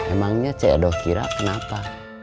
emangnya cedok kira kenapa